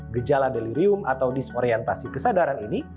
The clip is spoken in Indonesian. gejala delirium atau disorientasi kesadaran ini